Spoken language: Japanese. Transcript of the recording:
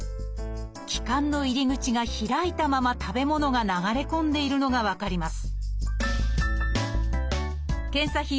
気管の入り口が開いたまま食べ物が流れ込んでいるのが分かります